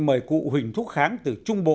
mời cụ huỳnh thúc kháng từ trung bộ